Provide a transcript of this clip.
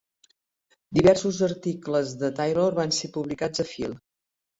Diversos articles de Taylor van ser publicats a Phil.